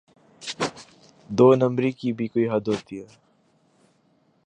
دو نمبری کی بھی کوئی حد ہوتی ہے۔